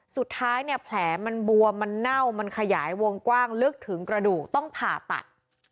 สุดท้ายเนี่ยแผลมันบวมมันเน่ามันขยายวงกว้างลึกถึงกระดูกต้องผ่าตัด